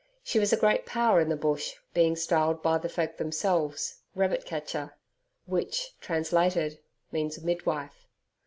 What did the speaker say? She was a great power in the bush, being styled by the folk themselves "Rabbit Ketcher", which, translated, means midwife.